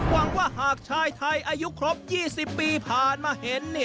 หวังว่าหากชายไทยอายุครบ๒๐ปีผ่านมาเห็น